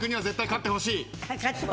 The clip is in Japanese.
勝ってほしい。